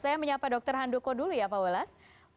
saya menyapa dokter handoko dulu ya pawellas